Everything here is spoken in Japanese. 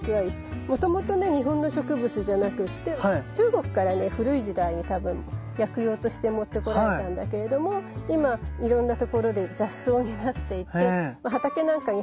もともとね日本の植物じゃなくって中国からね古い時代に多分薬用として持ってこられたんだけれども今いろんな所で雑草になっていて畑なんかに入っちゃうとね